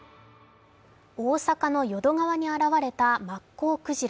大阪の淀川に現れたマッコウクジラ。